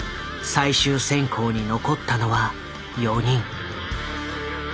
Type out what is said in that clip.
最終選考に残ったのは４人。